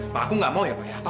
pak aku enggak mau ya pak